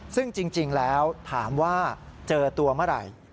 ซึ่งจริงแล้วถามว่าเจอตัวเมื่อไหร่